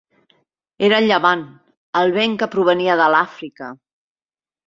Era el llevant, el vent que provenia de l'Àfrica.